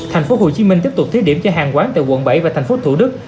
thành phố hồ chí minh tiếp tục thí điểm cho hàng quán tại quận bảy và thành phố thủ đức